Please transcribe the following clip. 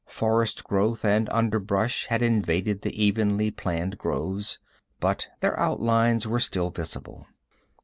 Forest growth and underbrush had invaded the evenly planned groves, but their outlines were still visible.